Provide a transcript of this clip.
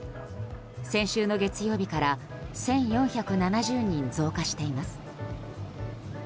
先週の月曜日から１４７０人増加しています。